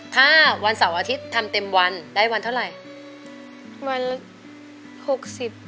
ถ้าวันเสาร์อาทิตย์ทำเต็มวันได้วันเท่าไหร่วันละหกสิบ